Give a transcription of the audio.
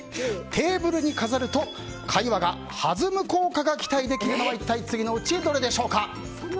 テーブルに飾ると会話が弾む効果が期待できるのは一体次のうちどれでしょうか。